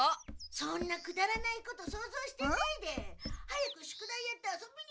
・そんなくだらないこと想像してないで早く宿題やって遊びに行こうよ。